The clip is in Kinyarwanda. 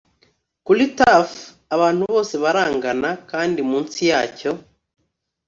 kuri turf abantu bose barangana, kandi munsi yacyo